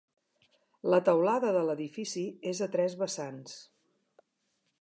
La teulada de l'edifici és a tres vessants.